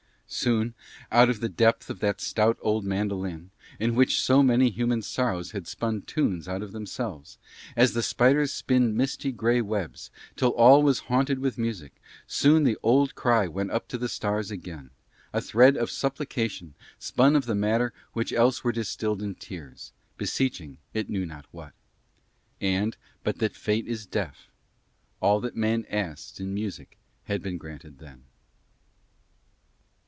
Soon out of the depth of that stout old mandolin, in which so many human sorrows had spun tunes out of themselves, as the spiders spin misty grey webs, till it was all haunted with music, soon the old cry went up to the stars again, a thread of supplication spun of the matter which else were distilled in tears, beseeching it knew not what. And, but that Fate is deaf, all that man asks in music had been granted then.